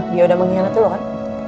dia udah mengkhianat dulu kan